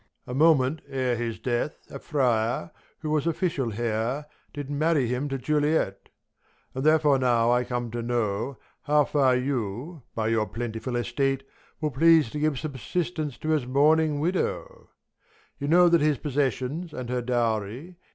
Prov. A moment ere his death, a friar, who was Official here, did marry him to Juliet : And therefore now I come to know, how far You, by your plentiful estate, will please To give subsistence to his mourning widow 1 You know that his possessions, and her dowry.